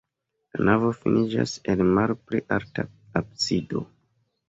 La navo finiĝas en malpli alta absido.